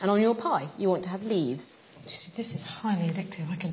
はい。